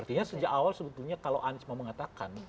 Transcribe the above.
artinya sejak awal sebetulnya kalau anies mau mengatakan